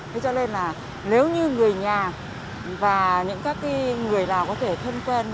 thế cho nên là nếu như người nhà và những các người nào có thể thân quen